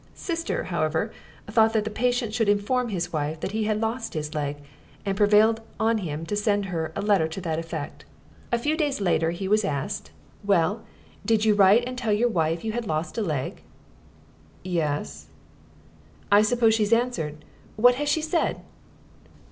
"Sister," however, thought that the patient should inform his wife that he had lost his leg, and prevailed on him to send her a letter to that effect. A few days later he was asked, "Well, did you write and tell your wife you had lost a leg?" "Yus." "I suppose she's answered? What has she said?"